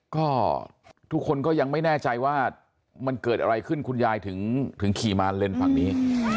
ก็ทุกคนก็ยังไม่แน่ใจว่ามันเกิดอะไรขึ้นคุณยายถึงขี่มาเลนส์ฝั่งนี้